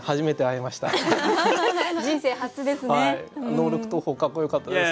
ノールック投法かっこよかったです。